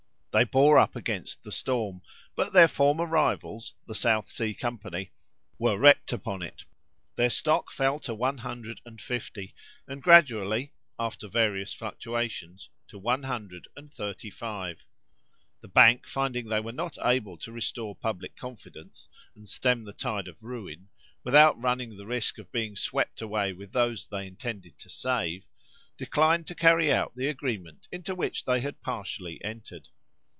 They bore up against the storm; but their former rivals, the South Sea company, were wrecked upon it. Their stock fell to one hundred and fifty, and gradually, after various fluctuations, to one hundred and thirty five. The Bank, finding they were not able to restore public confidence, and stem the tide of ruin, without running the risk of being swept away with those they intended to save, declined to carry out the agreement into which they had partially entered.